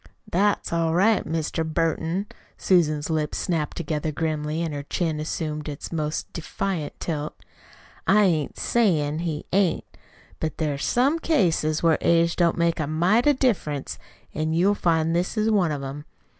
"That's all right, Mr. Burton." Susan's lips snapped together grimly and her chin assumed its most defiant tilt. "I ain't sayin' he ain't. But there's some cases where age don't make a mite of difference, an' you'll find this is one of 'em.